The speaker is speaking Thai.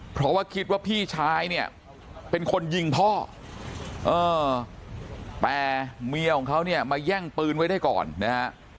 เพราะว่าคิดว่าพี่ชายเนี่ยเป็นคนยิงพ่อแต่เมียของเขาเนี่ยมาแย่งปืนไว้ได้ก่อนนะฮะ